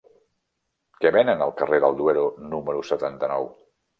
Què venen al carrer del Duero número setanta-nou?